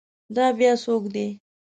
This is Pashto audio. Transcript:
دا بیا څوک دی؟